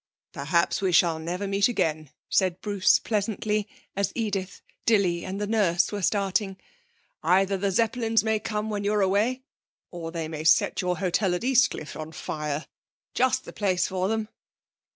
'Perhaps we shall never meet again,' said Bruce pleasantly, as Edith, Dilly and the nurse were starting; 'either the Zeppelins may come while you're away, or they may set your hotel at Eastcliff on fire. Just the place for them.'